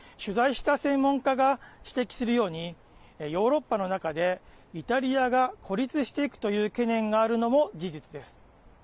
取材した専門家が指摘するようにヨーロッパの中でイタリアが孤立していくという懸念があるのも事実です。